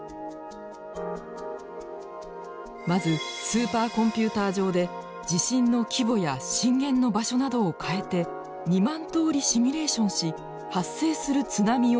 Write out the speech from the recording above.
まずスーパーコンピューター上で地震の規模や震源の場所などを変えて２万通りシミュレーションし発生する津波を分析。